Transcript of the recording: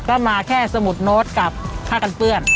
ก็มาแค่สมุดโน้ตกับผ้ากันเปื้อน